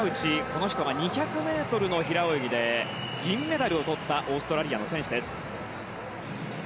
この人は２００ｍの平泳ぎで銀メダルをとったオーストラリアの選手です。